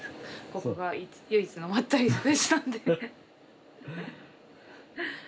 ここが唯一のまったりスペースなんで。